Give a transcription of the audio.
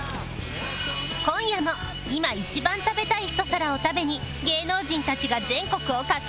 今夜もいま一番食べたい一皿を食べに芸能人たちが全国を駆け回る！